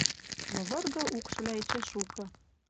Лывыргы укшвлӓ эче шукы